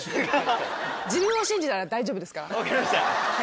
分かりました。